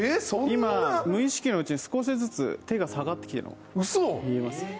そんな今、無意識のうちに少しずつ手が下がってきています。